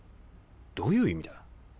どういう意味だ？